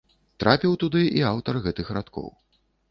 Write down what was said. Трапіў туды і аўтар гэтых радкоў.